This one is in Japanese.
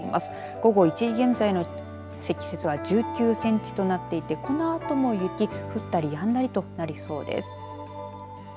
午後１時現在の積雪は１９センチとなっていてこのあとも雪、降ったりやんだりとなりそうです。